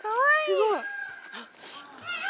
すごい！